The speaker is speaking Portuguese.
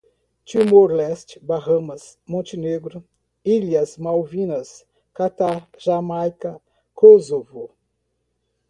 Timor-Leste, Bahamas, Montenegro, Ilhas Malvinas, Catar, Jamaica, Kosovo